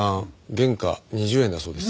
原価２０円だそうです。